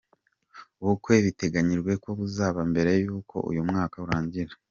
Ubukwe biteganyijwe ko buzaba mbere y’uko uyu mwaka urangira.